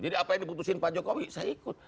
jadi apa yang diputusin pak jokowi saya ikut